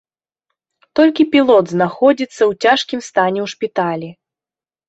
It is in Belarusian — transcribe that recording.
Толькі пілот знаходзіцца ў цяжкім стане ў шпіталі.